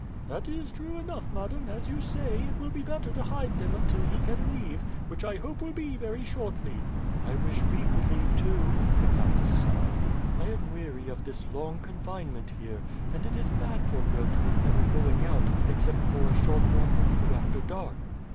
"That is true enough, madam; as you say, it will be better to hide them until he can leave, which I hope will be very shortly." "I wish we could leave too," the countess sighed. "I am weary of this long confinement here, and it is bad for Gertrude never going out except for a short walk with you after dark."